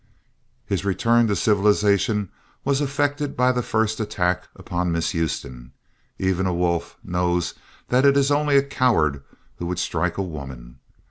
His return to civilization was effected by the first attack upon Miss Houston. Even a wolf knows that it is only a coward who would strike a woman.